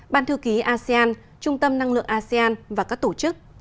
ban thư ký asean trung tâm năng lượng asean và các tổ chức